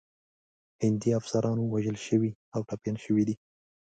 هندي افسران وژل شوي او ټپیان شوي دي.